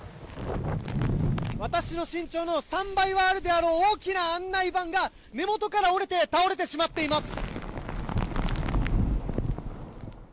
私の身長の３倍はあるであろう大きな案内板が根元から折れて倒れてしまっています。